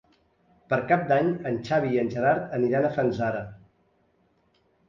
Per Cap d'Any en Xavi i en Gerard aniran a Fanzara.